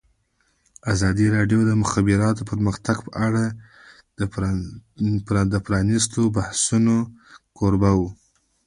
ازادي راډیو د د مخابراتو پرمختګ په اړه د پرانیستو بحثونو کوربه وه.